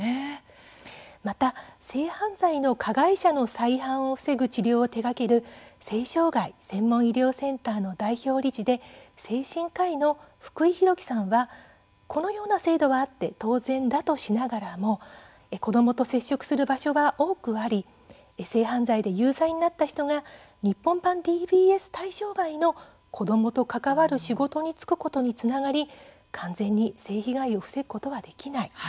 また、性犯罪の加害者の再犯を防ぐ治療を手がける性障害専門医療センターの代表理事で精神科医の福井裕輝さんはこのような制度はあって当然だとしながらも子どもと接触する場所は多くあり性犯罪で有罪になった人が日本版ＤＢＳ対象外の子どもと関わる仕事に就くことにつながり完全に性被害を防ぐことはできない。